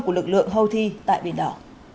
của lực lượng houthi tại biển đỏ